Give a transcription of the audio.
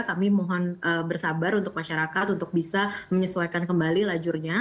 kami mohon bersabar untuk masyarakat untuk bisa menyesuaikan kembali lajurnya